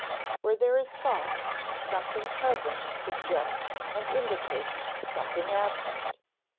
Where there is thought, something present suggests and indicates something absent.